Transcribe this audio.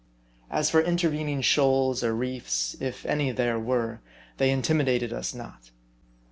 As for intervening shoals or reefs, if any there were, they intimidated us not.